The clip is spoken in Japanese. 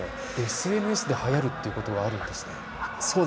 ＳＮＳではやるってことがあるんですね。